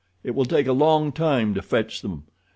It will take a long time to fetch them.